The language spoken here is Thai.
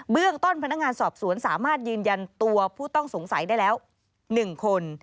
เรื่องต้นพนักงานสอบสวนสามารถยืนยันตัวผู้ต้องสงสัยได้แล้ว๑คน